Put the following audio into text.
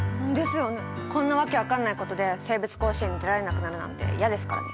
こんな訳分かんないことで生物甲子園に出られなくなるなんて嫌ですからね！